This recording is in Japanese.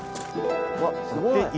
うわっすごい。